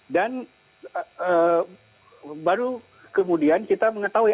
dan baru kemudian kita mengetahui